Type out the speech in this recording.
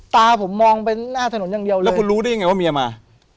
แล้วคุณเรารู้ได้ยังไงว่าเมียมา